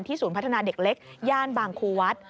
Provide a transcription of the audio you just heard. ศูนย์พัฒนาเด็กเล็กย่านบางครูวัด